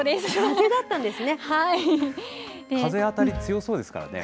風当たり強そうですからね。